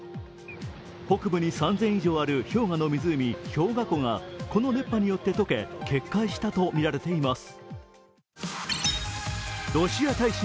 北部に３０００以上ある氷河の湖、氷河湖がこの熱波によって溶け、決壊したとみられています。